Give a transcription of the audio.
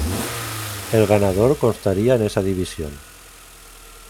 El ganador constaría en esa división.